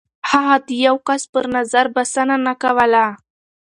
هغه د يو کس پر نظر بسنه نه کوله.